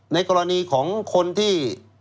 ในกรณีของคนที่